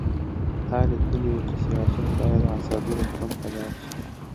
تا لیکلي وو چې سیاسیون باید عصبي روغتون ته لاړ شي